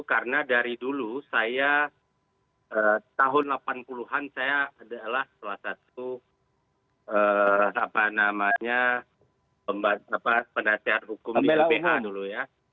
karena dari dulu saya tahun delapan puluh an saya adalah salah satu apa namanya pendasaran hukum di lbh dulu ya